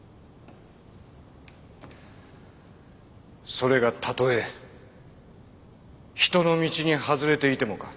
それがたとえ人の道に外れていてもか？